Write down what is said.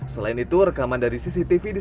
selain itu rekaman dari cctv